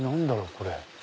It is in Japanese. これ。